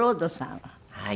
はい。